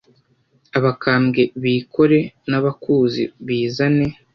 Abakambwe bikore N'abakuzi bizane